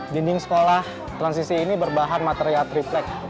dinding sekolah transisi ini berbahan material triplek